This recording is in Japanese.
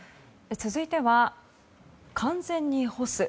続いては完全に干す。